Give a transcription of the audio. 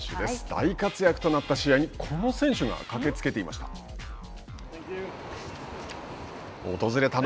大活躍となった試合にこの選手が駆けつけていました。